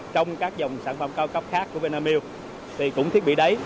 trong các dòng sản phẩm cao cấp khác của vinamilk thì cũng thiết bị đấy